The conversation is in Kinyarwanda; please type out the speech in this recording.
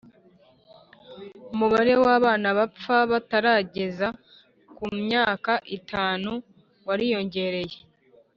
umubare w'abana bapfa batarageza ku myaka itanu wariyongereye